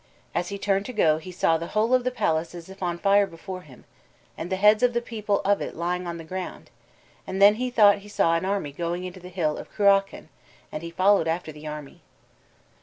As he turned to go he saw "the whole of the palace as if on fire before him, and the heads of the people of it lying on the ground, and then he thought he saw an army going into the hill of Cruachan, and he followed after the army."